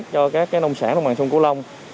cho các nông sản đồng bằng sông cổ lông